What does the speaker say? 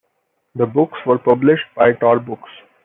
The books were published by Tor Books.